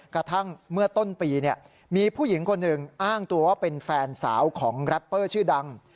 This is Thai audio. กระทั่งเมื่อต้นปีมีผู้หญิงคนหนึ่งอ้างตัวว่าเป็นแฟนสาวของแรปเปอร์ชื่อดัง